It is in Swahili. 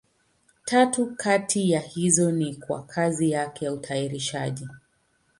Tatu kati ya hizo ni kwa kazi yake ya utayarishaji.